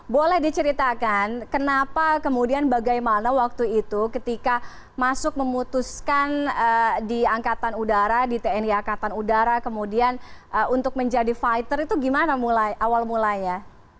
boleh diceritakan kenapa kemudian bagaimana waktu itu ketika masuk memutuskan di angkatan udara di tni angkatan udara kemudian untuk menjadi fighter itu gimana awal mulanya